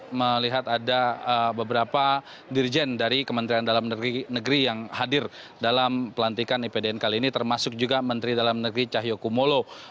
saya melihat ada beberapa dirjen dari kementerian dalam negeri yang hadir dalam pelantikan ipdn kali ini termasuk juga menteri dalam negeri cahyokumolo